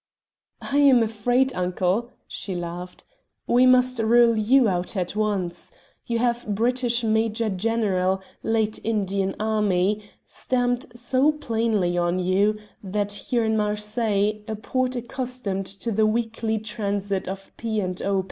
"I am afraid, uncle," she laughed, "we must rule you out at once. You have 'British Major General, late Indian Army' stamped so plainly on you that here in Marseilles, a port accustomed to the weekly transit of P. and O.